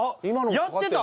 やってた！